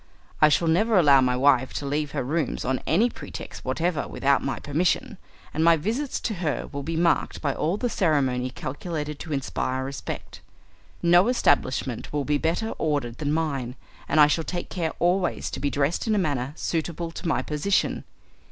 I shall never allow my wife to leave her rooms on any pretext whatever without my permission, and my visits to her will be marked by all the ceremony calculated to inspire respect. No establishment will be better ordered than mine, and I shall take care always to be dressed in a manner suitable to my position.